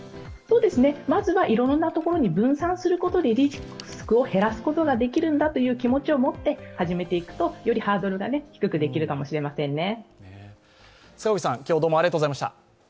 まずはいろんなところに分散することでリスクを減らすことができるんだという気持ちを持って始めていくと、よりハードルが低くできるかもしれませんね。